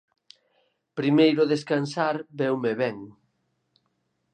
Primeiro descansar, veume ben.